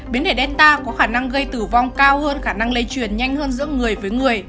biến thể delta có khả năng gây tử vong cao hơn khả năng lây truyền nhanh hơn giữa người với người